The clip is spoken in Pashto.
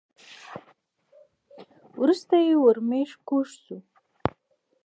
وروسته یې ورمېږ کوږ شو .